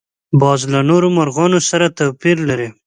باز له نورو مرغانو سره توپیر لري